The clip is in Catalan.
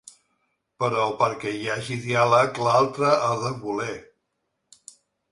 Però perquè hi hagi diàleg l’altre ha de voler.